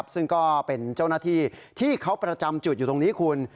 ซึ่งก็เป็นเจ้าหน้าที่ที่เขาประจำจุดอยู่ตรงนี้คุณ